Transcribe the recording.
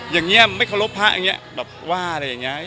อย่างนี้ไม่เคารพพระอย่างนี้แบบว่าอะไรอย่างนี้